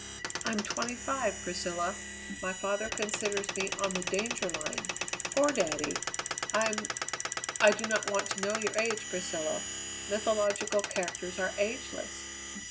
I'm twenty five, Priscilla. My father considers me on the danger line. Poor daddy!" "I'm " "I do not want to know your age, Priscilla. Mythological characters are ageless."